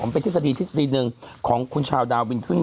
เป็นทฤษฎีทฤษฎีหนึ่งของคุณชาวดาวบินขึ้น